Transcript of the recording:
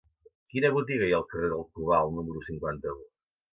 Quina botiga hi ha al carrer del Cobalt número cinquanta-u?